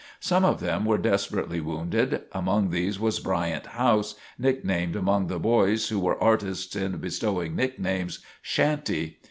Some of them were desperately wounded; among these was Bryant House, nicknamed among the boys, who were artists in bestowing nicknames, "Shanty."